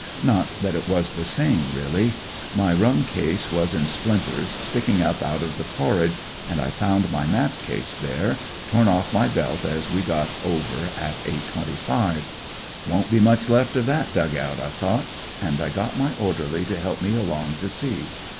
Not that it was the same really. My rum case wa* in splinters, sticking up out of the porridge, and I found my map case there ; torn off my belt as we got over at 8.25. * Won't be much left of that dug out,* I thought ; and I got my orderly to help me along to see.